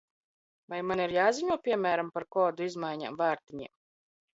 Vai man ir jāziņo, piemēram, par kodu izmaiņām vārtiņiem?